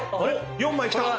４枚きた！